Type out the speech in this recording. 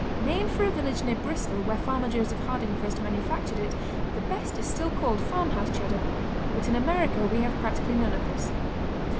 Named for a village near Bristol where farmer Joseph Harding first manufactured it, the best is still called Farmhouse Cheddar, but in America we have practically none of this.